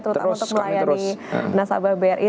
terutama untuk melayani nasabah bri